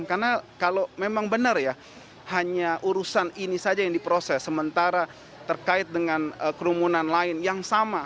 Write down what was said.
karena kalau memang benar ya hanya urusan ini saja yang diproses sementara terkait dengan kerumunan lain yang sama